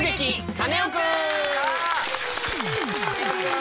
カネオくん」！